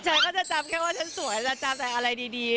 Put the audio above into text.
เธอก็จะจำแค่ว่าฉันสวยจะจำแต่อะไรดี